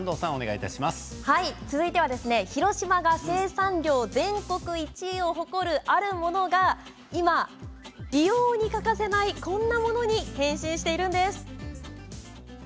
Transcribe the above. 続いては広島が生産量で全国１位を誇る、あるものが今、美容に欠かせないこんなものに変身しているんです。